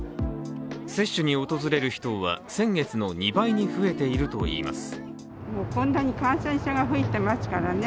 接種に訪れる人は先月の２倍に増えているといいます。